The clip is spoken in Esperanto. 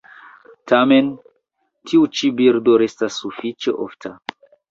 Tamen, tiu ĉi birdo restas sufiĉe ofta.